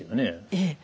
ええ。